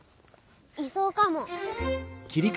いそうかも。